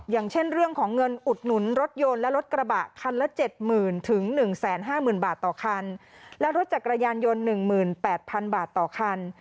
อย่างเช่นเรื่องของเงินอุดหนุนรถยนต์และรถกระบะคันละเจ็ดหมื่นถึง๑๕๐๐๐บาทต่อคันและรถจักรยานยนต์๑๘๐๐๐บาทต่อคัน